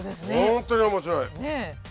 本当に面白い！